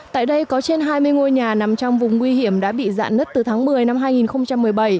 tại đây có trên hai mươi ngôi nhà nằm trong vùng nguy hiểm đã bị dạn nứt từ tháng một mươi năm hai nghìn một mươi bảy